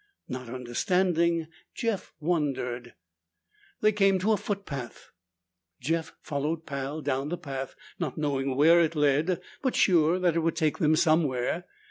Not understanding, Jeff wondered. They came to a foot path. Jeff followed Pal down the path, not knowing where it led but sure that it would take them somewhere.